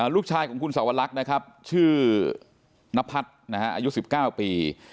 ลูกชายของคุณสวรรคนะครับชื่อนพัฒน์อายุ๑๙ปี